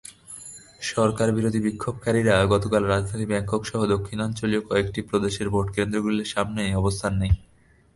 সরকারবিরোধী বিক্ষোভকারীরা গতকাল রাজধানী ব্যাংককসহ দক্ষিণাঞ্চলীয় কয়েকটি প্রদেশের ভোটকেন্দ্রগুলোর সামনে অবস্থান নেয়।